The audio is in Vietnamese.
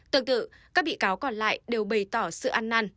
tương tự các bị cáo còn lại đều bày tỏ sự ăn năn